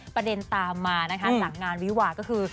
ประเด็นตามมานะคะหลังงานวิวาก็คือ